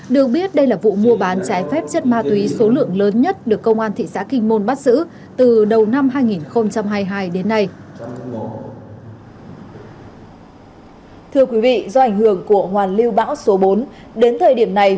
được biết đây là vụ mua bán trái phép chất ma túy số lượng lớn nhất được công an thị xã kinh môn bắt giữ từ đầu năm hai nghìn hai mươi hai đến nay